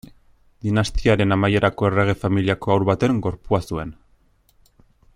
Dinastiaren amaierako errege familiako haur baten gorpua zuen.